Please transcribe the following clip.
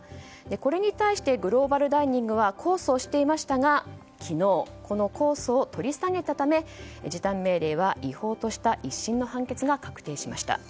これに対してグローバルダイニングは控訴していましたが昨日、この控訴を取り下げたため時短命令は違法とした１審の判決が確定しました。